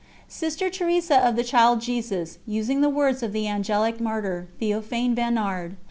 "Sister Teresa of the Child Jesus, using the words of the angelic martyr Théophane Vénard."